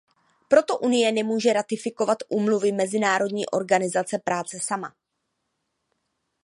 Proto Unie nemůže ratifikovat úmluvy Mezinárodní organizace práce sama.